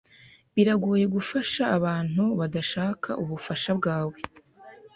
Biragoye gufasha abantu badashaka ubufasha bwawe.